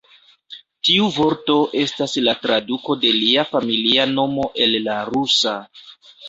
Tiu vorto estas la traduko de lia familia nomo el la rusa.